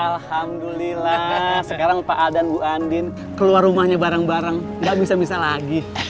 alhamdulillah sekarang pak al dan bu andin keluar rumahnya bareng bareng gak bisa bisa lagi